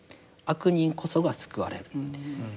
悪人こそが救われる。